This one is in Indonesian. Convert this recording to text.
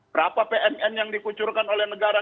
berapa pnn yang dikucurkan oleh negara